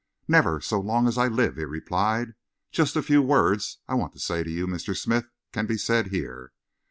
"Never so long as I live," he replied. "Just the few words I want to say to you, Mr. Smith, can be said here.